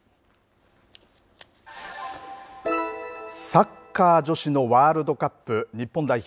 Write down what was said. サッカー女子のワールドカップ日本代表